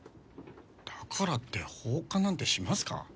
だからって放火なんてしますか？